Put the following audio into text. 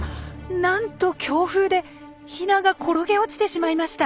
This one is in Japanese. なんと強風でヒナが転げ落ちてしまいました。